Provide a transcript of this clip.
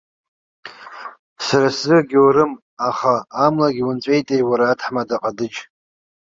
Сара сзы агьоурым, аха амлагьы унҵәеитеи, уара аҭаҳмада ҟадыџь!